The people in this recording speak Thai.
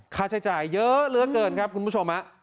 ค่าใช้จ่ายเยอะเหลือเกินครับคุณผู้ชม